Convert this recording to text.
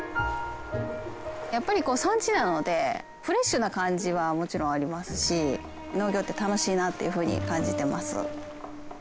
やっぱり産地なのでフレッシュな感じはもちろんありますし農業って楽しいなっていうふうに感じてます。